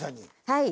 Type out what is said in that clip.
はい。